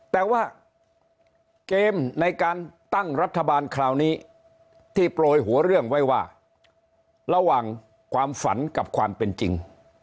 แต่ว่าเกมในการตั้งรัฐบาลคราวนี้ที่โปรยหัวเรื่องไว้ว่าระหว่างความฝันกับความเป็นจริง